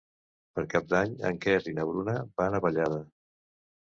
Per Cap d'Any en Quer i na Bruna van a Vallada.